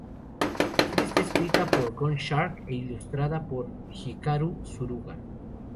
La serie está escrita por Gun Snark e ilustrada por Hikaru Suruga.